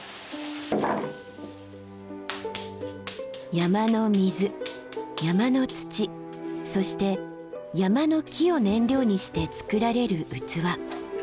山の水山の土そして山の木を燃料にして作られる器。